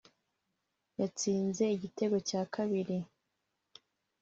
yatsinze igitego cya ka kabiri